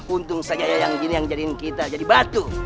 untung saja yayang jin yang jadiin kita jadi batu